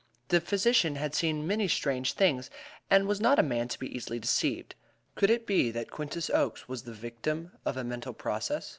The physician had seen many strange things, and was not a man to be easily deceived. Could it be that Quintus Oakes was the victim of a mental process?